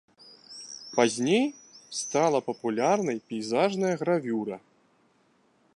Пазней стала папулярнай пейзажная гравюра.